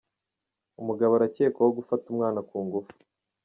Umugabo Arakekwaho gufata umwana ku ngufu